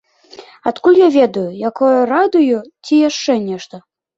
Адкуль я ведаю, якое радыё ці яшчэ нешта?